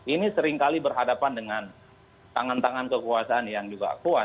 ini seringkali berhadapan dengan tangan tangan kekuasaan yang juga kuat